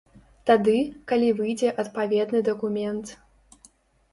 Тады, калі выйдзе адпаведны дакумент.